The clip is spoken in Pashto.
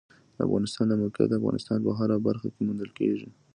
د افغانستان د موقعیت د افغانستان په هره برخه کې موندل کېږي.